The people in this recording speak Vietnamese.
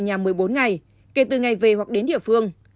thực hiện cách ly tập trung một mươi bốn ngày kể từ ngày về hoặc đến địa phương